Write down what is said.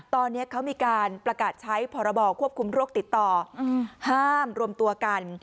ตอนนี้เขามีการประกาศใช้พรบควบคุมโรคติดต่อห้ามรวมตัวกัน